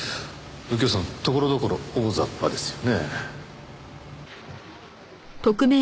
右京さんところどころ大ざっぱですよね？